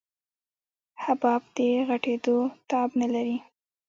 حباب د غټېدو تاب نه لري.